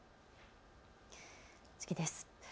次です。